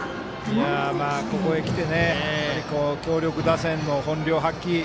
ここへきて強力打線の本領発揮。